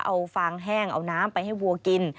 เอาฟางแห้งเอาน้ำไปให้วัวกิน